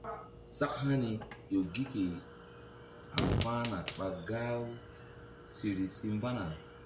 Sak hani ƴo gi ke haŋ fa̧hna ɓa gah u siri si mbana.